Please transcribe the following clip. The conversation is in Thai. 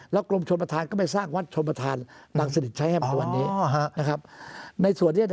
และกรมชนพระธานก็ไม่สร้างวัดชนพระธาน